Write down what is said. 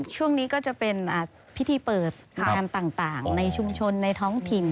ช่วงนี้ก็จะเป็นพิธีเปิดงานต่างในชุมชนในท้องถิ่น